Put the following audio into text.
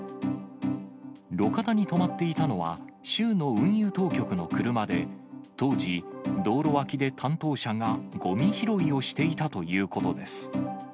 路肩に止まっていたのは、州の運輸当局の車で、当時、道路脇で担当者がごみ拾いをしていたということです。